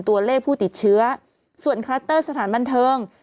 ตัวเลขผู้ติดเชื้อส่วนคลัสเตอร์สถานบันเทิง